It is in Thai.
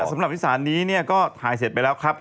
สำหรับอีสานนี้เนี่ยก็ถ่ายเสร็จไปแล้วครับ